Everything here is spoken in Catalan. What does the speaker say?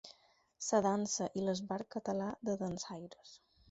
La dansa i l'Esbart Català de Dansaires.